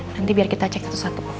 nanti biar kita cek satu satu